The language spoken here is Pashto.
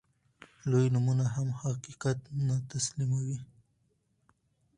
لوی نومونه هم حقيقت نه تسليموي.